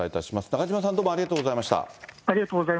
中島さん、どうもありがとうございました。